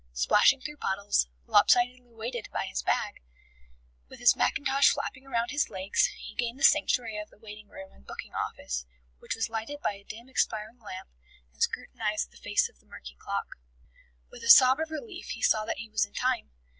Splashing through puddles, lopsidedly weighted by his bag, with his mackintosh flapping against his legs, he gained the sanctuary of the waiting room and booking office, which was lighted by a dim expiring lamp, and scrutinized the face of the murky clock. ... With a sob of relief he saw that he was in time.